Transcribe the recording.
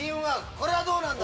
これはどうなんだ？